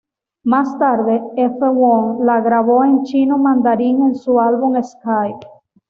Más tarde, F. Wong la grabó en chino mandarín en su álbum "Sky".